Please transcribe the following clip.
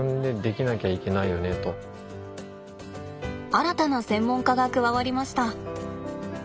新たな専門家が加わりました。